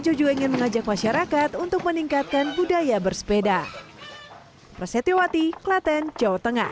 juga ingin mengajak masyarakat untuk meningkatkan budaya bersepeda prasetyo klaten jawa tengah